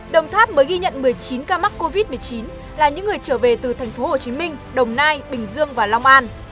đồng tháp mới ghi nhận một mươi chín ca mắc covid một mươi chín là những người trở về từ tp hcm đồng nai bình dương và long an